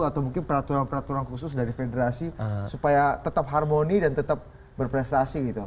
atau mungkin peraturan peraturan khusus dari federasi supaya tetap harmoni dan tetap berprestasi gitu